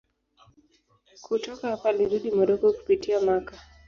Kutoka hapa alirudi Moroko kupitia Makka.